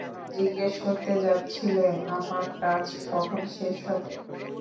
জিজ্ঞেস করতে যাচ্ছিলে আমার কাজ কখন শেষ হবে!